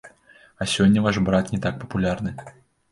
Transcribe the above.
А сёння ваш брат не так папулярны.